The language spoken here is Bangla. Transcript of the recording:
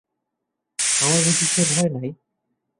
আমার বুঝি সে ভয় নাই?